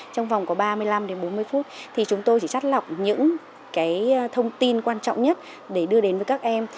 trong vòng có ba mươi năm đến bốn mươi phút thì chúng tôi chỉ chắt lọc những thông tin quan trọng nhất để đưa đến với các em